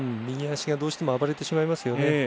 右足がどうしても暴れてしまいますね。